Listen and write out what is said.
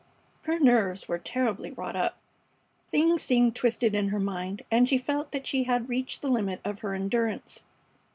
Her nerves were terribly wrought up. Things seemed twisted in her mind, and she felt that she had reached the limit of her endurance.